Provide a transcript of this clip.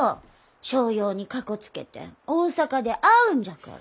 商用にかこつけて大阪で会うんじゃから。